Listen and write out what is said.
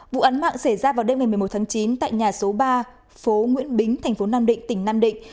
vụ án mạng xảy ra vào đêm ngày một mươi một tháng chín tại nhà số ba phố nguyễn bính thành phố nam định tỉnh nam định